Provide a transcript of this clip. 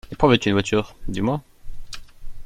Et pourquoi veux-tu une voiture, dis-moi?